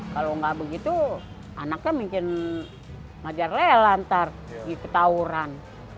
kalau nggak begitu anaknya mungkin majarel ntar di petawuran